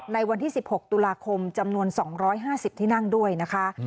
ในวันที่สิบหกตุลาคมจำนวนสองร้อยห้าสิบที่นั่งด้วยนะคะ